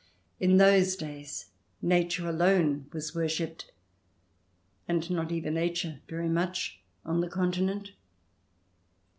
In those days Nature alone was worshipped — and not even Nature very much — on the Continent.